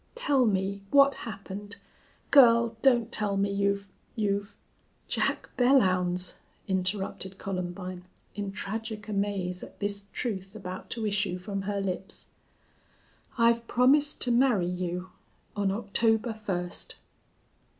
Tell me. What happened? Girl, don't tell me you've you've " "Jack Belllounds," interrupted Columbine, in tragic amaze at this truth about to issue from her lips, "I've promised to marry you on October first."